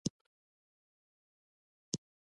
سبا بل ځای روان یو.